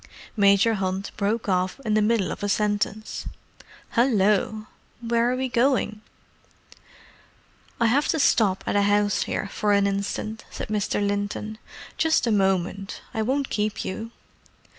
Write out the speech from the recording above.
Major Hunt broke off in the middle of a sentence. "Hallo! Where are we going?" "I have to stop at a house here for an instant," said Mr. Linton. "Just a moment; I won't keep you."